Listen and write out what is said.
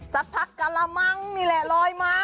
สักพักกระมังนี่แหละลอยมา